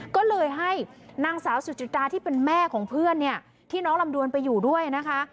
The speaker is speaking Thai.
ก็เลยให้นางสาวสุจิตาที่เป็นแม่ของเพื่อนเนี่ยที่น้องลำดวนไปอยู่ด้วยนะคะ